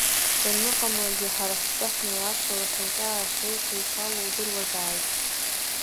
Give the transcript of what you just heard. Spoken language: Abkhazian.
Даныҟамлагьы, ҳара ҳтәы, ҳмилаҭ рлахьынҵа ашәеиқәа ишалоу удыруазааит.